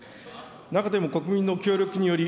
中でも国民の協力により、